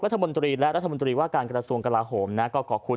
รัฐมนตรีและรัฐมนตรีว่าการกระทรวงกลาโหมนะก็ขอบคุณ